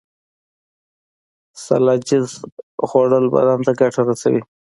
سلاجید خوړل بدن ته ګټه رسوي